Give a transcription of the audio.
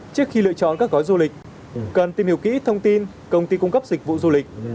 trước khi lựa chọn các gói du lịch cần tìm hiểu kỹ thông tin công ty cung cấp dịch vụ du lịch